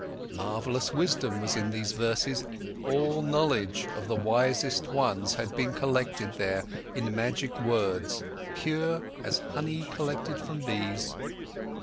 Marvellous wisdom was in these verses, all knowledge of the wisest ones had been collected here in magic words, pure as honey collected by bees.